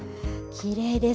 きれいです。